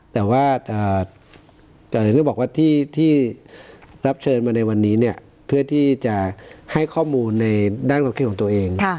แต่ว่าที่รับเชิญมาในวันนี้คือเพื่อที่จะให้ข้อมูลในด้านครอบคริ่งของตัวเอง